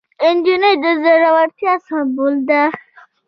نجلۍ د زړورتیا سمبول ده.